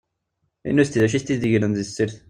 I nutenti, d acu i tent-id-igren di tessirt?